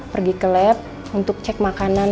pergi ke lab untuk cek makanan